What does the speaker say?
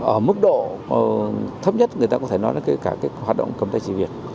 ở mức độ thấp nhất người ta có thể nói là cả cái hoạt động cầm tay chỉ việc